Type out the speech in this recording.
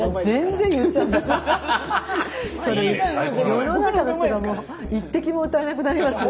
世の中の人がもう一滴も歌えなくなりますよ。